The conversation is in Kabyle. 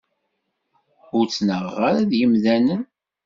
Ur ttnaɣeɣ ara d yemdanen.